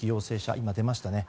今、出ましたね。